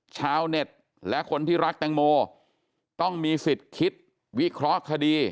ชาวเน็ตและคนที่รักแตงโมต้องมีสิทธิ์คิดวิเคราะห์คดี